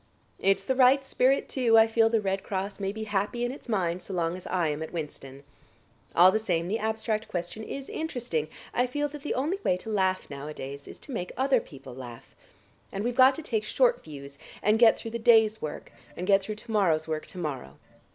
It's the right spirit, too. I feel the Red Cross may be happy in its mind so long as I am at Winston. All the same the abstract question is interesting. I feel that the only way to laugh nowadays is to make other people laugh. And we've got to take short views, and get through the day's work, and get through to morrow's work to morrow.